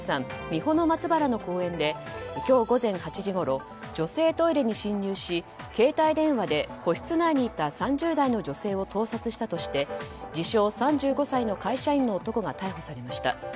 三保松原の公園で今日午前８時ごろ女性トイレに侵入し携帯電話で個室内にいた３０代の女性を盗撮したとして自称３５歳の会社員の男が逮捕されました。